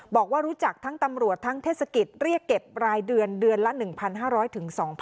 บอกว่ารู้จักทั้งตำรวจทั้งเทศกิจเรียกเก็บรายเดือนเดือนละ๑๕๐๐๒๐๐